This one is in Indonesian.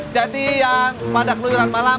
jadi yang pada kemudian malam